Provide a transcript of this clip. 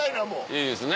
いいですね。